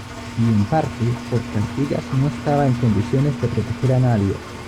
Y, en parte, porque Artigas no estaba en condiciones de proteger a nadie.